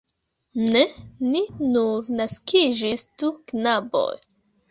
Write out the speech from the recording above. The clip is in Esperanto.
Ne! Ni nur naskiĝis du knaboj!